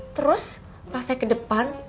terus pas saya ke depan